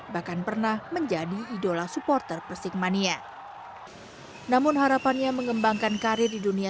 bahkan pernah menjadi idola supporter persikmania namun harapannya mengembangkan karir di dunia